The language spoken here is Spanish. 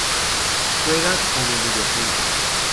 Juega como mediapunta.